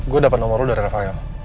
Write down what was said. gue dapat nomor lu dari rafael